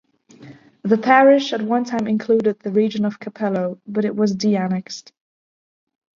The parish at one time included the region of Capelo, but it was de-annexed.